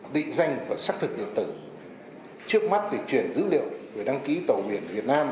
định danh và xác thực điện tử trước mắt để chuyển dữ liệu về đăng ký tàu huyền việt nam